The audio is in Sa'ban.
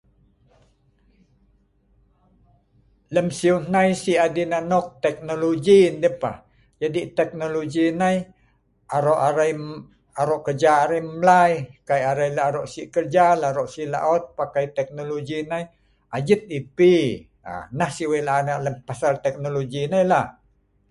Lem siu hnai si adin anok, teknologi deh pah. Jadi teknologi nai aro' arai em aro' keja arai mlai kai arai lah' aro' si kerja, lah aro' si laut, pakai teknologi nai ajit yah pi, aaa nah si wei' la'an ek lem teknologi nai lah.